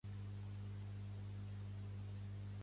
La llengua oficial de Catalunya és el català.